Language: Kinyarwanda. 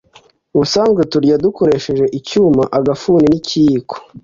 Ubusanzwe turya dukoresheje icyuma, agafuni n'ikiyiko